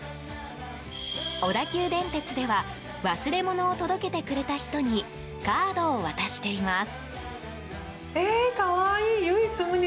小田急電鉄では忘れ物を届けてくれた人にカードを渡しています。